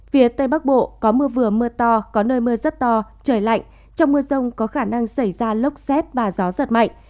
phía tây bắc bộ có mưa vừa mưa to có nơi mưa rất to trời lạnh trong mưa rông có khả năng xảy ra lốc xét và gió giật mạnh